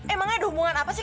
emang ada hubungan apa sih